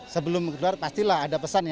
sebelum keluar pastilah ada pesan ya